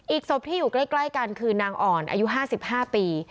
ศพที่อยู่ใกล้กันคือนางอ่อนอายุ๕๕ปี